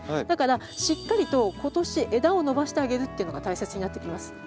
だからしっかりと今年枝を伸ばしてあげるっていうのが大切になってきます。